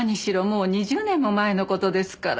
もう２０年も前の事ですから。